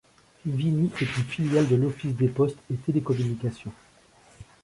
Vini est une filiale de l'Office des Postes et Télécommunications.